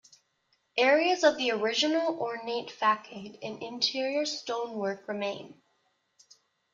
Areas of the original ornate facade and interior stonework remain.